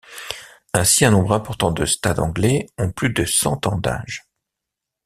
Ainsi, un nombre important de stades anglais ont plus de cent ans d'âge.